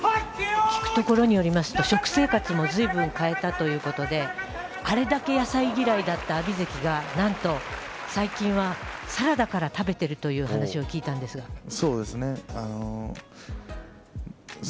聞くところによりますと食生活もずいぶん変えたということであれだけ野菜嫌いだった阿炎関が最近はサラダから食べているという話をそうですね。